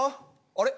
あれ？